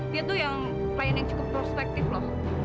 dia tuh yang klien yang cukup prospektif loh